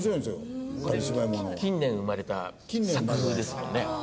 近年生まれた作風ですもんね。